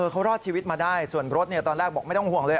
เขารอดชีวิตมาได้ส่วนรถตอนแรกบอกไม่ต้องห่วงเลย